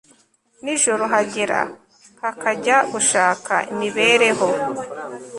nijoro hagera kakajya gushaka imibereho